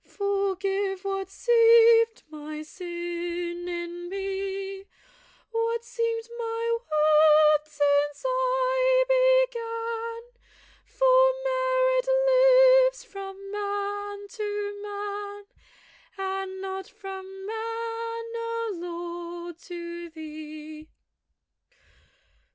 Forgive what seemed my sin in me; What seemed my worth since I began; For merit lives from man to man, And not from man, O Lord, to thee.